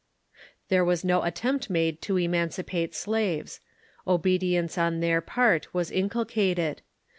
There was no attempt made to emancipate slaves. Obe dience on their part was inculcated.